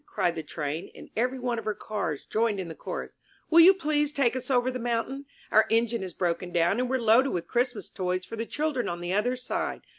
'* cried the Train, and every one of her Cars joined in the chorus, ''Will you please take us over the mountain? Our engine has broken down, and we're loaded with Christmas toys for the children on the other side.